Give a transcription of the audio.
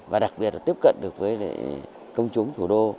và đặc biệt là tiếp cận được với công chúng thủ đô